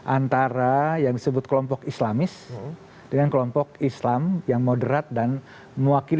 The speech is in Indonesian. antara yang disebut kelompok islamis dengan kelompok islam yang moderat dan mewakili